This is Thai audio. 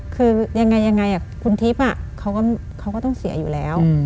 คือยังไงคุณทิพย์เขาก็ต้องเสียอยู่แล้ว